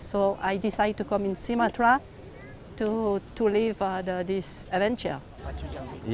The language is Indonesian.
jadi saya memutuskan untuk datang ke sumatera untuk memulai acara ini